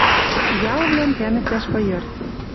Ялвлӓм кӓнӹктӓш пыйырт.